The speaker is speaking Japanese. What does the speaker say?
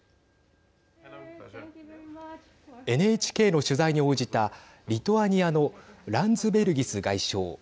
ＮＨＫの取材に応じたリトアニアのランズベルギス外相。